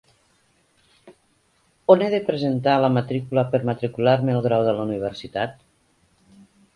On he de presentar la matrícula per matricular-me al grau de la universitat?